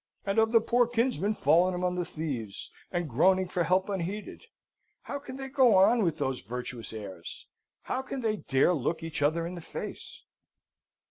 and of the poor kinsman fallen among the thieves, and groaning for help unheeded? How can they go on with those virtuous airs? How can they dare look each other in the face?